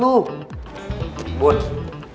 gue cuma pengen ngeri